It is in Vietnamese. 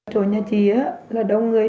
trời nhà chị là đông người